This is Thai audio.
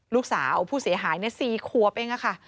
ลูกสาวผู้เสียหาย๔ขวบเองค่ะ